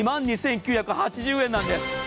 ２万２９８０円なんです。